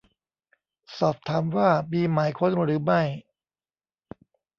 สอบถามว่ามีหมายค้นหรือไม่